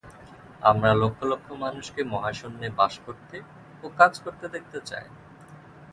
আমরা লক্ষ লক্ষ মানুষকে মহাশূন্যে বাস করতে ও কাজ করতে দেখতে চাই।